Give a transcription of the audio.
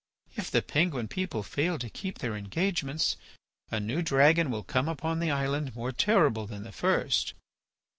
If the Penguin people fail to keep their engagements a new dragon will come upon the island more terrible than the first.